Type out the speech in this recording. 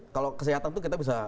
kalau kesehatan itu kita bisa